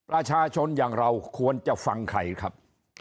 ประชาชนอย่างเราควรจะฟังใครครับ